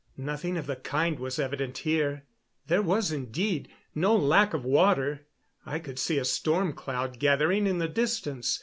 Nothing of the kind was evident here. There was, indeed, no lack of water. I could see a storm cloud gathering in the distance.